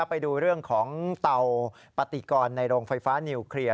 ไปดูเรื่องของเตาปฏิกรในโรงไฟฟ้านิวเคลียร์